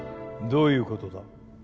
どういうことだ？